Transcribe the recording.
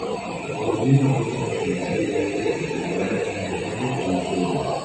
La aerolínea ofrece una selección de vuelos por temporada en verano e invierno.